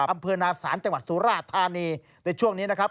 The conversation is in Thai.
อำเภอนาศาลจังหวัดสุราธานีในช่วงนี้นะครับ